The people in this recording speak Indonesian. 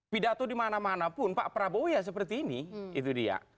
pidato di mana mana pun pak prabowo ya seperti ini itu dia